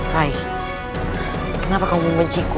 rai kenapa kamu membenciku